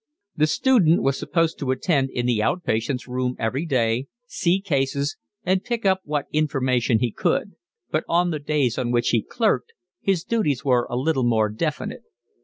The student was supposed to attend in the out patients' room every day, see cases, and pick up what information he could; but on the days on which he clerked his duties were a little more definite.